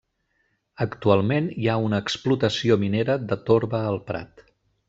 Actualment, hi ha una explotació minera de torba al prat.